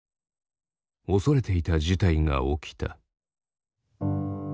恐れていた事態が起きた。